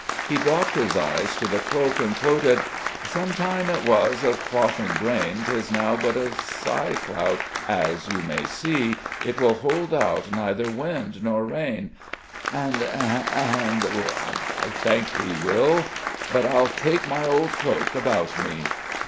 He dropped his eyes to the cloak and quoted "Sometime it was of cloth in grain, 'Tis now but a sigh clout, as you may see; It will hold out neither wind nor rain and and I thank thee, Will _But I'll take my old cloak about me.